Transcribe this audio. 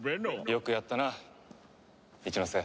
よくやったな一ノ瀬。